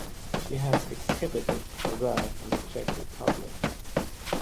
She has exhibited her work in the Czech Republic.